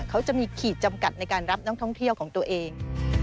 เขาจะมีขีดจำกัดในการรับนักท่องเที่ยวของตัวเอง